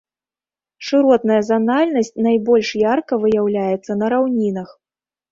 Шыротная занальнасць найбольш ярка выяўляецца на раўнінах.